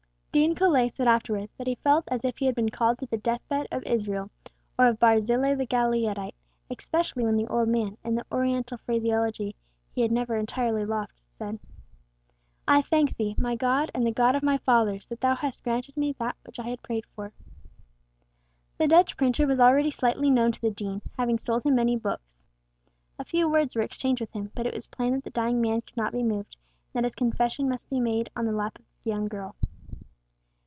Dean Colet said afterwards that he felt as if he had been called to the death bed of Israel, or of Barzillai the Gileadite, especially when the old man, in the Oriental phraseology he had never entirely lost, said, "I thank Thee, my God, and the God of my fathers, that Thou hast granted me that which I had prayed for." The Dutch printer was already slightly known to the Dean, having sold him many books. A few words were exchanged with him, but it was plain that the dying man could not be moved, and that his confession must he made on the lap of the young girl.